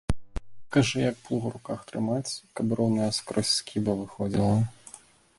Пакажы, як плуг у руках трымаць, каб роўная скрозь скіба выходзіла.